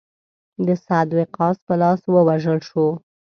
د سعد وقاص په لاس ووژل شو.